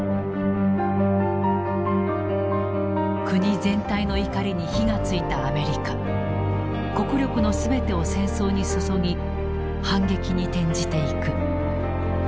国全体の怒りに火がついたアメリカ国力の全てを戦争に注ぎ反撃に転じていく。